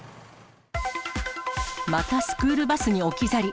またスクールバスに置き去り。